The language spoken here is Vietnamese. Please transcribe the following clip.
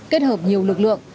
kết hợp nhiều lực lượng